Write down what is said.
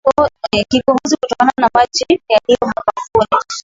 Kikohozi kutokana na maji yaliyo mapafuni